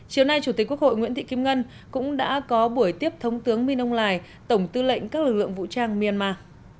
chiều nay chủ tịch quốc hội nguyễn thị kim ngân cũng đã có buổi tiếp thống tướng min aung hlai tổng tư lệnh các lực lượng vũ trang myanmar